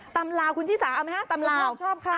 ตำลาวคุณที่สาเอาไหมครับตำลาวชอบค่ะ